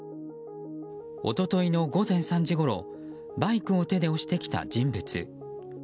一昨日の午前３時ごろバイクを手で押してきた人物。